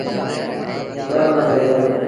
ٻآݩهآݩ مآݩ جھليآݩدي۔